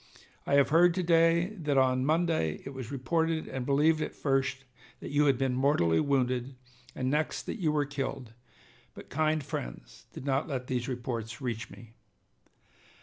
I have heard to day that on Monday it was reported and believed at first that you had been mortally wounded, and next that you were killed, but kind friends did not let those reports reach me.